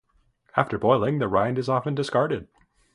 After boiling, the rind is often discarded.